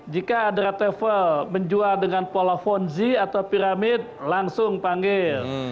jika ada travel menjual dengan pola fonzi atau piramid langsung panggil